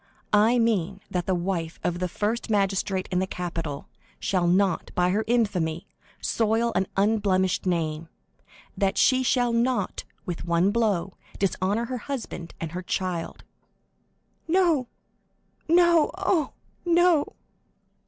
"I mean that the wife of the first magistrate in the capital shall not, by her infamy, soil an unblemished name; that she shall not, with one blow, dishonor her husband and her child." "No, no—oh, no!"